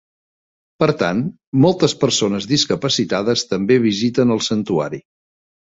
Per tant, moltes persones discapacitades també visiten el santuari.